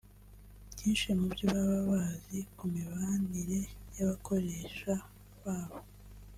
byinshi mu byo baba bazi ku mibanire y’abakoresha babo